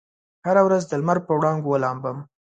هره ورځ دلمر په وړانګو ولامبم